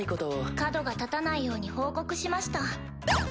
角が立たないように報告しました。